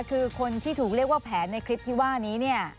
คือคนที่ถูกเรียกว่าแผนในคลิปที่ว่านี้เนี่ย